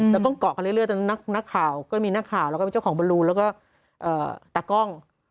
แล้วก็เกาะกันเรื่อยจนนักข่าวก็มีนักข่าวแล้วก็เป็นเจ้าของบรรลูแล้วก็ตากล้อง